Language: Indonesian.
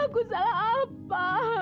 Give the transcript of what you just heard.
aku salah apa